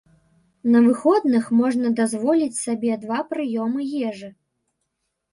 На выходных можна дазволіць сабе два прыёмы ежы.